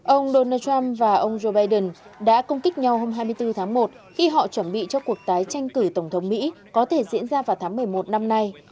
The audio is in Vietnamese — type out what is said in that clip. ông donald trump và ông joe biden đã công kích nhau hôm hai mươi bốn tháng một khi họ chuẩn bị cho cuộc tái tranh cử tổng thống mỹ có thể diễn ra vào tháng một mươi một năm nay